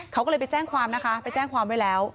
เขาก็เลยไปแจ้งความนะคะไปแจ้งความไว้แล้ว